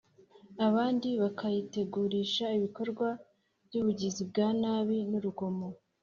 abandi bakayitegurisha ibikorwa by’ubugizi bwa nabi n’urugomo.